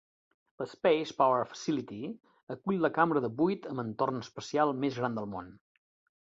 La Space Power Facility acull la cambra de buit amb entorn espacial més gran del món.